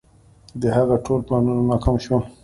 د هغه ټول پلانونه ناکام شول.